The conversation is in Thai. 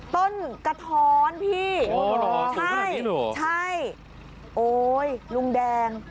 ต้นกะท้อนพี่ใช่โอ้โหลุงแดง